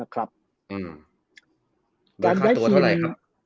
การย้ายทีม